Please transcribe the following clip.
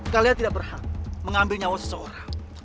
kalian tidak berhak mengambil nyawa seseorang